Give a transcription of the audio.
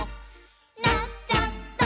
「なっちゃった！」